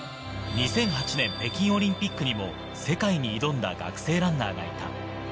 ２００８年北京オリンピックにも世界に挑んだ学生ランナーがいた。